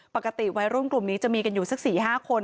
ปกติวัยรุ่นกลุ่มนี้จะมีอยู่สักสี่ห้าคน